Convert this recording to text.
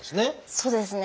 そうですね。